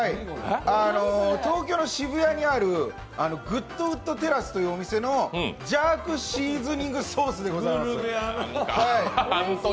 東京の渋谷にあるＧＯＯＤＷＯＯＤＴＥＲＲＡＣＥというお店のジャークシーズニングソースでございます。